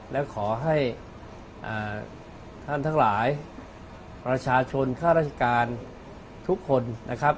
และขอให้ท่านทั้งหลายประชาชนข้าราชการทุกคนนะครับ